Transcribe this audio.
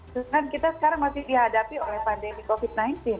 karena kita sekarang masih dihadapi oleh pandemi covid sembilan belas